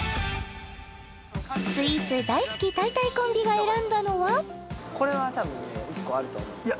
スイーツ大好きたいたいコンビが選んだのはこれは多分ね１個あると思うのよ